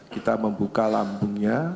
kita membuka lambungnya